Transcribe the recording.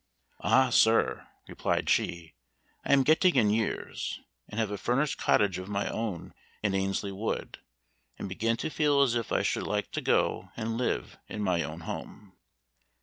"Ah, sir!" replied she, "I am getting in years, and have a furnished cottage of my own in Annesley Wood, and begin to feel as if I should like to go and live in my own home."